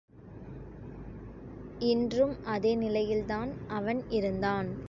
இன்றும் அதே நிலையில்தான் அவன் இருந்தான்.